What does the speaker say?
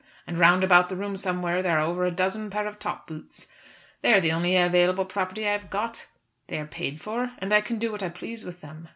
And round about the room somewhere there are over a dozen pair of top boots. They are the only available property I have got. They are paid for, and I can do what I please with them.